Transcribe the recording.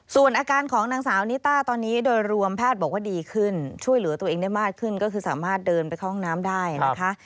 ส่วนอาการของนางสาวนิต้าตอนนี้โดยรวมแพทย์บอกว่าดีขึ้นช่วยเหลือตัวเองได้มากขึ้นก็คือสามารถเดินไปเข้าห้องน้ำได้นะคะ